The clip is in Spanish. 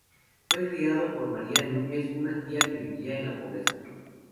Fue criado por María Núñez, una tía que vivía en la pobreza.